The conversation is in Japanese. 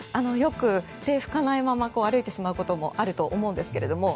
よく手を拭かないまま歩いてしまうこともあると思うんですけど。